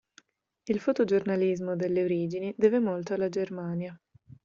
Il fotogiornalismo delle origini deve molto alla Germania.